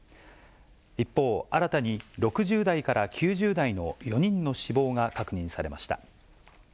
一方、新たに６０代から９０代の４人の死亡が確認されました。